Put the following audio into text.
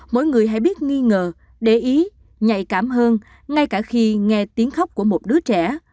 mỗi người hãy biết nghi ngờ để ý nhạy cảm hơn ngay cả khi nghe tiếng khóc của một đứa trẻ